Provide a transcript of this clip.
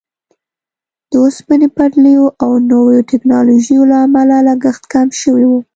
د اوسپنې پټلیو او نویو ټیکنالوژیو له امله لګښت کم شوی وو.